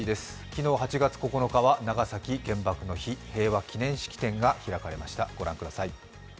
昨日８月９日は長崎原爆の日平和祈念式典が開かれました。